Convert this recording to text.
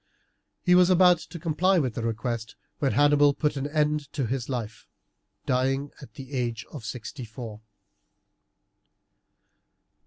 He was about to comply with the request when Hannibal put an end to his life, dying at the age of sixty four.